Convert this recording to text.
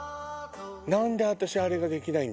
何で私。